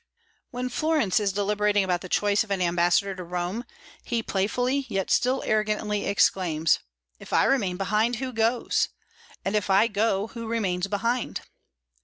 When Florence is deliberating about the choice of an ambassador to Rome, he playfully, yet still arrogantly, exclaims: "If I remain behind, who goes? and if I go, who remains behind?"